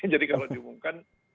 jadi kalau diumumkan